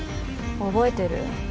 覚えてる？